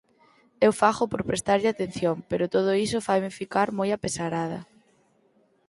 Eu fago por prestarlle atención pero todo iso faime ficar moi apesarada.